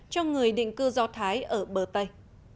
cho người định cư do thái ở bờ tây